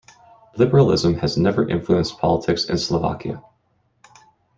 Liberalism has never influenced politics in Slovakia.